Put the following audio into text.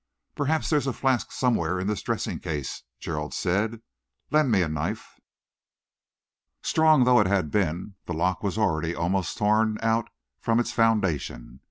"Perhaps there's a flask somewhere in this dressing case," Gerald said. "Lend me a knife." Strong though it had been, the lock was already almost torn out from its foundation.